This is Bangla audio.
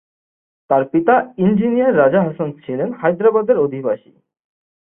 তার পিতা ইঞ্জিনিয়ার রাজা হাসান ছিলেন হায়দ্রাবাদের অধিবাসী।